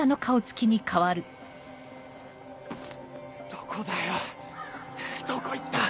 どこだよどこ行った？